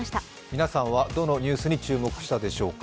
皆さんはどのニュースに注目したでしょうか。